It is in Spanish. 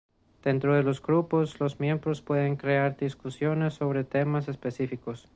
Dentro de los grupos, los miembros pueden crear discusiones sobre temas específicos.